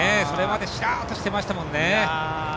それまでしらーっとしてましたもんね。